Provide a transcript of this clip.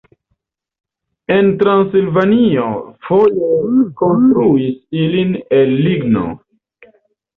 En Transilvanio foje konstruis ilin el ligno.